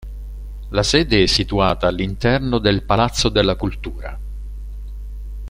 La sede è situata all'interno del Palazzo della Cultura.